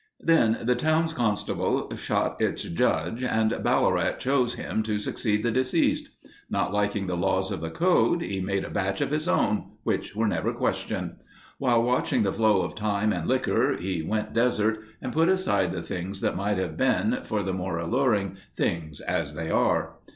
Then the town's constable shot its Judge and Ballarat chose him to succeed the deceased. Not liking the laws of the code, he made a batch of his own, which were never questioned. While watching the flow of time and liquor, he "went desert" and put aside the things that might have been for the more alluring things as they are.